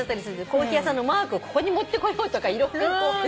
コーヒー屋さんのマークをここに持ってこようとか色々。